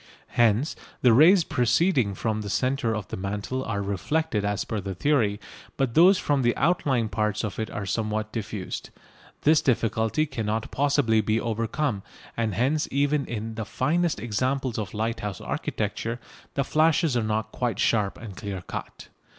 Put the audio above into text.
Hence the rays proceeding from the centre of the mantle are reflected as per the theory, but those from the outlying parts of it are somewhat diffused. This difficulty cannot possibly be overcome, and hence even in the finest examples of lighthouse architecture the flashes are not quite sharp and clear cut.